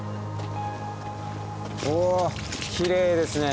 おきれいですね。